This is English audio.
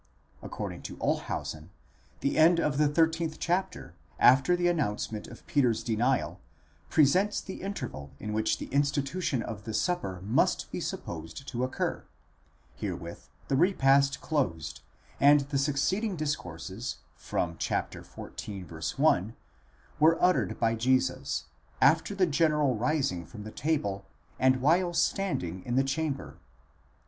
According to Olshausen, the end of the 13th chapter, after the announcement of Peter's denial, presents the interval in which the institution of the Supper must be supposed to occur ; herewith the repast closed, and the succeeding discourses from xiv. 1 were uttered by Jesus after the general rising from table, and while standing in the chamber.